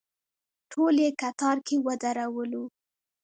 ټول یې کتار کې ودرولو.